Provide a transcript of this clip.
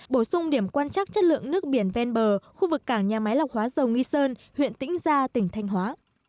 bổ sung điểm quan trắc chất lượng nước biển ven bờ khu vực cảng nhà máy lọc hóa dầu nghi sơn huyện tĩnh gia tỉnh thanh hóa